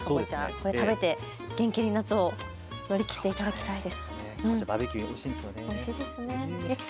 これを食べて元気に夏を乗り切っていただきたいです。